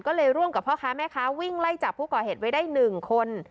ก็เลยร่วมกับพ่อค้าแม่ค้าวิ่งไล่จับผู้ก่อเหตุไว้ได้๑คน